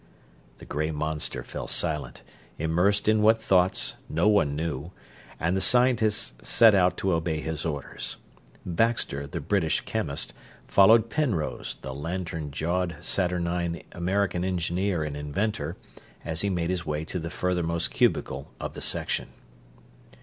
The gray monster fell silent, immersed in what thoughts no one knew, and the scientists set out to obey his orders. Baxter, the British chemist, followed Penrose, the lantern jawed, saturnine American engineer and inventor, as he made his way to the furthermost cubicle of the section.